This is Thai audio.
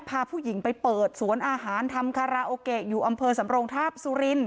พาผู้หญิงไปเปิดสวนอาหารทำคาราโอเกะอยู่อำเภอสำรงทาบสุริน